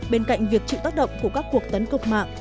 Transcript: bên cạnh việc chịu tác động của các cuộc tấn công mạng